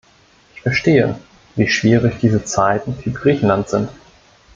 Ich verstehe, wie schwierig diese Zeiten für Griechenland sind.